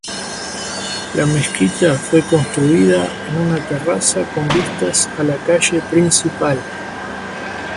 La mezquita fue construida en una terraza con vistas a la calle principal.